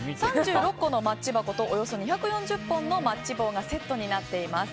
３６個のマッチ箱とおよそ２４０本のマッチ棒がセットになっています。